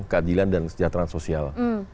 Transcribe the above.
keadilan dan kesejahteraan sosial